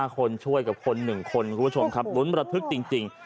คนช่วยกับคน๑คนคุณผู้ชมครับลุ้นระทึกจริง